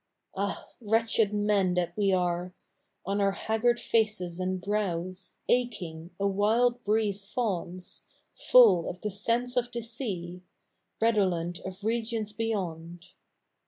Ah, wretched men that we are ! On our haggard faces and brows Aching, a ivild breeze fawns Full of the scents of the sea, Redolerit of regions beyond.